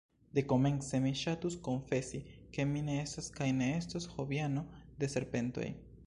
Dekomence mi ŝatus konfesi, ke mi ne estas kaj ne estos hobiano de serpentoj.